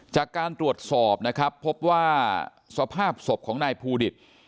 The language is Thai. จากการตรวจสอบนะครับพบว่าสภาพศพของนายภูดิต